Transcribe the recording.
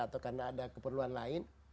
atau karena ada keperluan lain